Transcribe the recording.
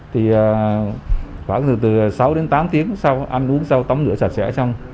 thì khoảng từ sáu đến tám tiếng sau ăn uống sau tắm rửa sạch sẽ xong